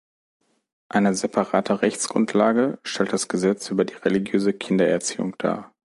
Eine separate Rechtsgrundlage stellt das Gesetz über die religiöse Kindererziehung dar.